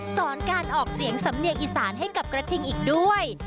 สอนการออกเสียงสำเนียงอีสานให้กับกระทิงอีกด้วย